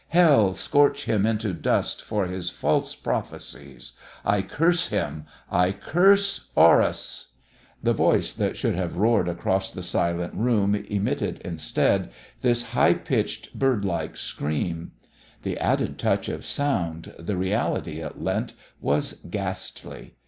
Hell scorch him into dust for his false prophecies! I curse him I curse Horus!" The voice that should have roared across the silent room emitted, instead, this high pitched, bird like scream. The added touch of sound, the reality it lent, was ghastly.